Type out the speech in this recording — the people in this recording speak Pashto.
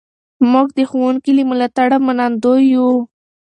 موږ د ښوونکي له ملاتړه منندوی یو.